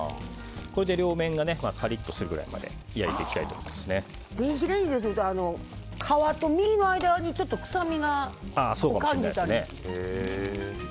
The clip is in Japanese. これで両面がカリッとするまで電子レンジでやると皮と身の間に臭みを感じたりする。